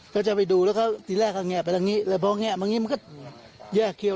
ก็จะไปดูแล้วตีแรกเขาแงะไปตรงนี้แล้วพอแงะมานี่มันก็แยกเขียว